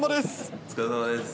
お疲れさまです。